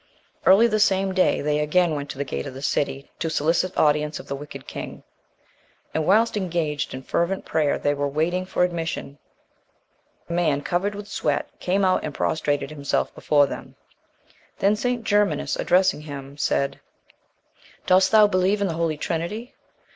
Early the same day, they again went to the gate of the city, to solicit audience of the wicked king; and, whilst engaged in fervent prayer they were waiting for admission, a man, covered with sweat, came out, and prostrated himself before them. Then St. Germanus, addressing him, said "Dost thou believe in the Holy Trinity?"